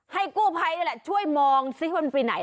ให้กุพัยที่ล่าช่วยมองซิมันไปไหน